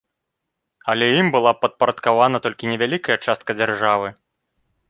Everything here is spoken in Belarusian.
Але ім была падпарадкавана толькі невялікая частка дзяржавы.